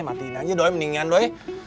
matiin aja doi mendingan doi